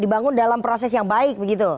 dibangun dalam proses yang baik begitu